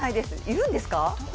いるんですか？